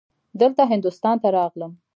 دلته هندوستان ته راغلم.